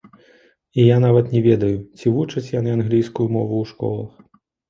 І я нават не ведаю, ці вучаць яны англійскую мову ў школах.